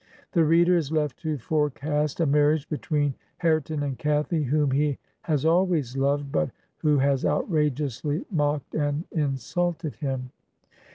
The reader is left to forecast a marriage between Hare ton and Cathy, whom he has always loved, but who has outrageously mocked and insulted him.